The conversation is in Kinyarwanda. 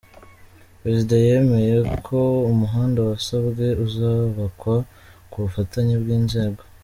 Perezida yemeye ko umuhanda wasabwe uzubakwa ku bufatanye bw’inzego.